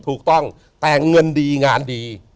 ถูกต้องแต่เงินดีงานดี